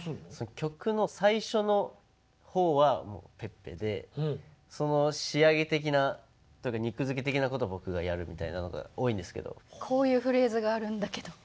曲の最初の方はｐｅｐｐｅでその仕上げ的な肉づけ的なことは僕がやるみたいなのが多いんですけどこういうフレーズがあるんだけど。